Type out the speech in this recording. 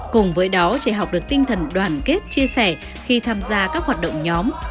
cùng với đó trẻ học được tinh thần đoàn kết chia sẻ khi tham gia các hoạt động nhóm